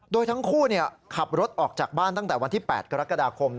โดยทั้งคู่ขับรถออกจากบ้านตั้งแต่วันที่๘กรกฎาคม